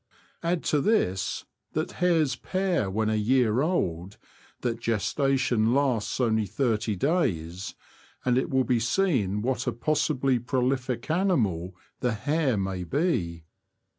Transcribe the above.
Add to this that hares pair when a year old, that gestation lasts only thirty days, and it will be seen what a possibly prolific animal the hare may be.